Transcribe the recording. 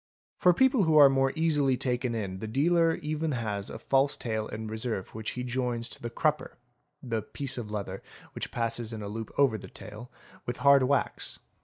For people who are more easily taken in the dealer even has a false tail in reserve which he joins to the crupper (the piece of leather which 3 _ passes in a loop over the tail) with hard wax.